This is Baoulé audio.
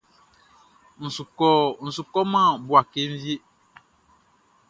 N su kɔman Bouaké wie.